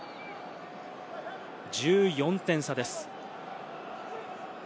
１４点差です。